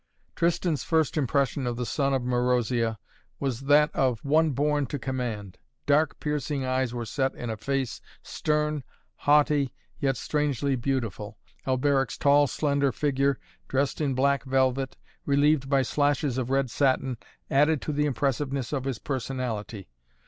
Tristan's first impression of the son of Marozia was that of one born to command. Dark piercing eyes were set in a face, stern, haughty, yet strangely beautiful. Alberic's tall, slender figure, dressed in black velvet, relieved by slashes of red satin, added to the impressiveness of his personality.